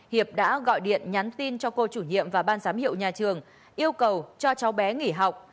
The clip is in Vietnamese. hiệp đã gọi điện nhắn tin cho cô chủ nhiệm và ban giám hiệu nhà trường yêu cầu cho cháu bé nghỉ học